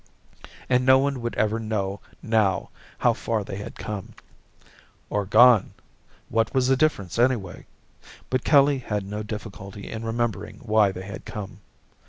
And no one would ever know now how far they had come. Or gone. What was the difference, anyway? But Kelly had no difficulty in remembering why they had come.